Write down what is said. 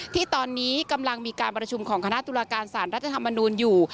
ที่ตอนนี้กำลังมีการประชุมของคณะตุลาการสารรัฐธรรมนูลอยู่